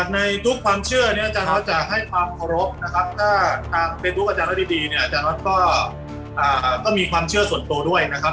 ในทุกความเชื่อเนี่ยอาจารย์น็อตจะให้ความเคารพนะครับถ้าเป็นทุกอาจารย์ฤดีเนี่ยอาจารย์ออสก็มีความเชื่อส่วนตัวด้วยนะครับ